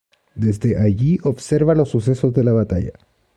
Desde allí observa los sucesos de la batalla.